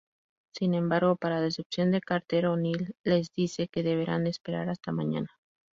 Sin embargo, para decepción de Carter, O'Neill les dice que deberán esperar hasta mañana.